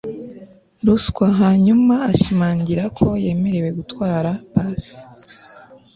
ruswa hanyuma ashimangira ko yemerewe gutwara bisi